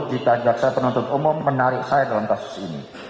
kita jaksa penuntut umum menarik saya dalam kasus ini